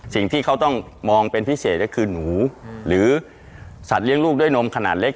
สิ่งที่เขาต้องมองเป็นพิเศษก็คือหนูหรือสัตว์เลี้ยงลูกด้วยนมขนาดเล็ก